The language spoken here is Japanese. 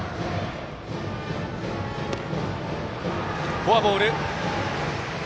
フォアボール。